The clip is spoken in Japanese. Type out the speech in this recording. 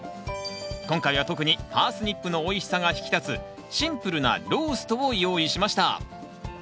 今回は特にパースニップのおいしさが引き立つシンプルなローストを用意しました。